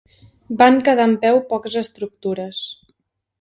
Van quedar en peu poques estructures.